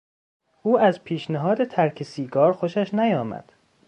او از پیشنهاد ترک سیگار خوشش نیامد.